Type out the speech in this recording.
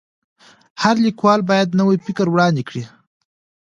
هر لیکوال باید نوی فکر وړاندي کړي.